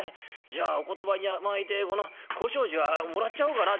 じゃあお言葉に甘えてこの小障子はもらっちゃおうかな」。